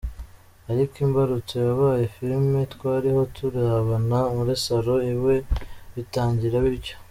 Ariko imbarutso yabaye filime twariho turebana muri salon iwe bitangira gutyo….